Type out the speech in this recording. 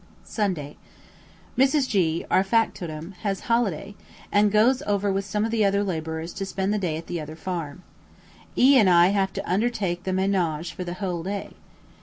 Sunday. Mrs. G , our factotum, has a holiday, and goes over with some of the other labourers to spend the day at the other farm. E and I have to undertake the menage for the whole day.